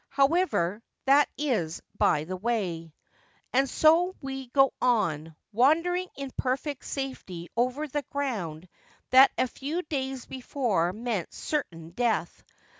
However, that is by the way. And so we go on, wandering in perfect safety over the ground that a few days before meant certain death.